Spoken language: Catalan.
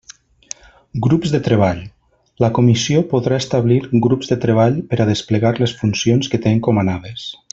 Grups de treball: la Comissió podrà establir grups de treball per a desplegar les funcions que té encomanades.